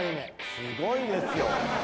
すごいですよ。